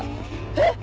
えっ⁉